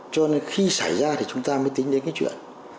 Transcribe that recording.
cho nên khi xảy ra thì chúng ta mới tính đến cái chuyện